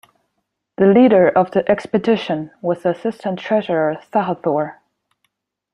The leader of the expedition was the "assistant treasurer" Sahathor.